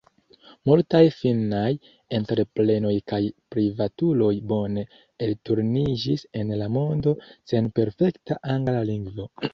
Multaj finnaj entreprenoj kaj privatuloj bone elturniĝis en la mondo sen perfekta angla lingvo.